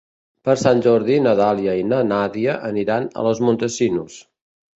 Per Sant Jordi na Dàlia i na Nàdia aniran a Los Montesinos.